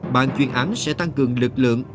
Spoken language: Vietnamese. bàn chuyên án sẽ tăng cường lực lượng